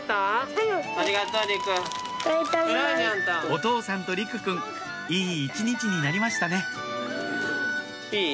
お父さんと莉来くんいい一日になりましたねいい？